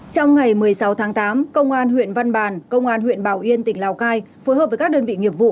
trong ngày một mươi sáu tháng tám công an huyện văn bàn công an huyện bảo yên tỉnh lào cai phối hợp với các đơn vị nghiệp vụ